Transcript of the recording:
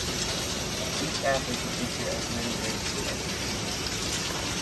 Each athlete can enter as many races as they choose.